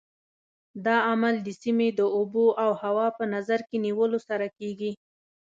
دا عمل د سیمې د اوبو او هوا په نظر کې نیولو سره کېږي.